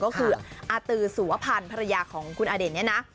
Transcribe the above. ก็คืออาตือสุวพันธ์ภรรยาของคุณอเด่นเนี่ยนะ